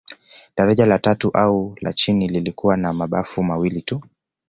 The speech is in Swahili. Daraja la tatu au la chini lilikuwa na mabafu mawili tu